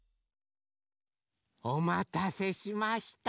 おまたせしました。